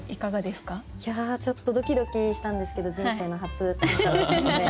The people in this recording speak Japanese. いやちょっとドキドキしたんですけど人生の初短歌だったので。